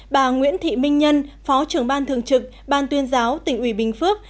bà nguyễn thị minh nhân phó trưởng ban thường trực ban tuyên giáo tỉnh ủy bình phước